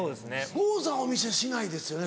郷さんお店しないですよね